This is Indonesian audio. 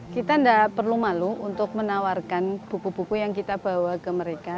kita tidak perlu malu untuk menawarkan buku buku yang kita bawa ke mereka